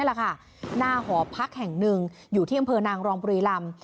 หน้าหอพักแห่งหนึ่งอยู่ที่อำเภอนางรองบุรีรำ